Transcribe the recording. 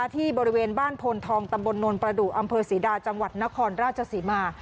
ที่บริเวณบ้านโพนทองตำบลนวลประดูกอำเภอศรีดาจังหวัดนครราชศรีมา